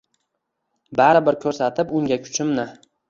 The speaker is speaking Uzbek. Bari bir ko‘rsatib unga kuchimni